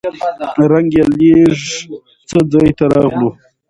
رنګ يې لېږ څه ځاى ته راغلو.